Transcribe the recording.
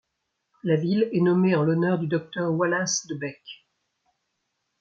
La ville est nommée en l'honneur du docteur Wallace De Beque.